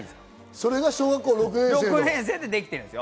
それが６年生でできてるんです。